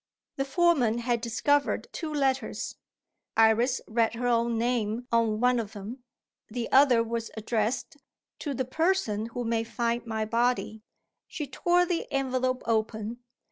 The foreman had discovered two letters. Iris read her own name on one of them. The other was addressed "To the person who may find my body." She tore the envelope open.